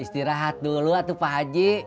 istirahat dulu pak haji